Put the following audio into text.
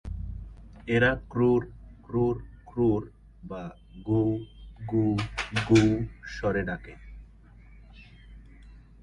এরা ক্রুরু-ক্রুরু-ক্রুরু বা ‘গুউ-গুউ-গুউ’ স্বরে ডাকে।